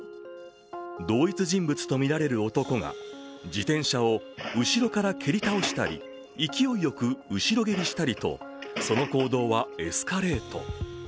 同一人物とみられる男が自転車を後ろから蹴り倒したり勢いよく後ろ蹴りしたりとその行動はエスカレート。